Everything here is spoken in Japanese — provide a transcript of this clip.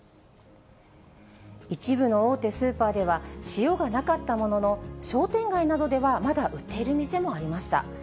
一部の大手スーパーでは、塩がなかったものの、商店街などではまだ売っている店もありました。